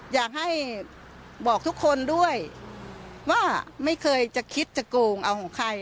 อยากให้บอกทุกคนด้วยว่าไม่เคยจะคิดจะโกงเอาของใคร